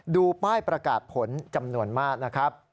ดูป้ายประกาศผลจำนวนมากนะครับ